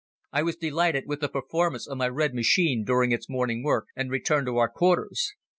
I was delighted with the performance of my red machine during its morning work and returned to our quarters.